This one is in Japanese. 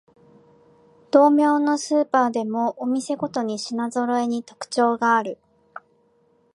同名のスーパーでもお店ごとに品ぞろえに特徴がある